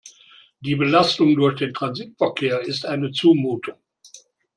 Die Belastung durch den Transitverkehr ist eine Zumutung.